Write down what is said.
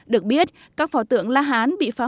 được biết các pho tượng la hán bị phá hủy